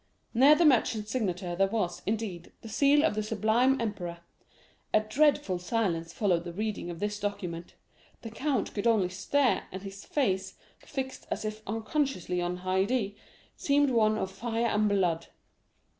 "Near the merchant's signature there was, indeed, the seal of the sublime emperor. A dreadful silence followed the reading of this document; the count could only stare, and his gaze, fixed as if unconsciously on Haydée, seemed one of fire and blood.